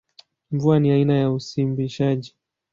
Mvua ni aina ya usimbishaji.